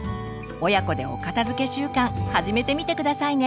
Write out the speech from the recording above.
親子でお片づけ習慣始めてみて下さいね。